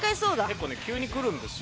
結構ね急にくるんですよ。